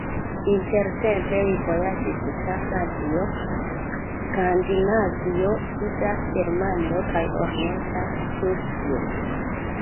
Intertempe li vojaĝis tra Francio, Skandinavio, Suda Germanio kaj Orienta Prusio.